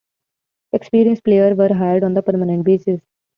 Experienced players were hired on a permanent basis.